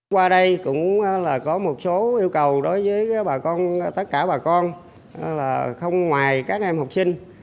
qua đây cũng có một số yêu cầu đối với tất cả bà con không ngoài các em học sinh